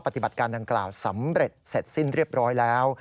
ปฏิบัติการดังกล่าวสำเร็จเสร็จสิ้นเรียบร้อยแล้ว